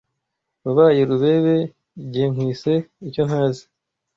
Wabaye Rubebe Jye nkwise icyontazi